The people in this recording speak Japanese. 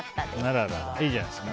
あらら、いいじゃないですか。